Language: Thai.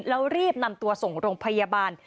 แล้วรีบนำตัวส่งโรงพยาบาล